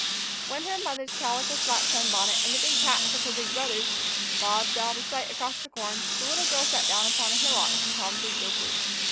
When her mother's calico slat sunbonnet and the big hats of her big brothers had bobbed out of sight across the corn, the little girl sat down upon a hillock and counted gophers.